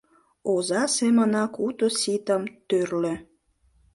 Оза семынак уто-ситым тӧрлӧ.